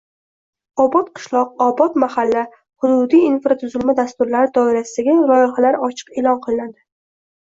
“Obod qishloq”, “Obod mahalla”, hududiy infratuzilma dasturlari doirasidagi loyihalar ochiq e’lon qilinadi.